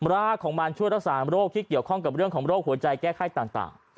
รากของมันช่วยรักษาโรคที่เกี่ยวข้องกับเรื่องของโรคหัวใจแก้ไข้ต่าง